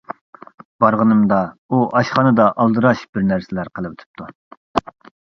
بارغىنىمدا ئۇ ئاشخانىدا ئالدىراش بىر نەرسىلەر قىلىۋېتىپتۇ.